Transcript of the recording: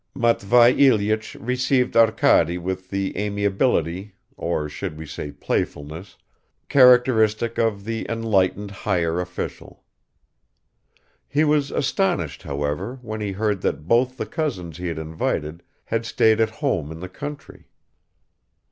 Matvei Ilyich received Arkady with the amiability, or should we say playfulness, characteristic of the enlightened higher official. He was astonished, however, when he heard that both the cousins he had invited had stayed at home in the country.